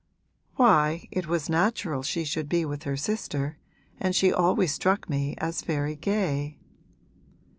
'Why, it was natural she should be with her sister, and she always struck me as very gay.'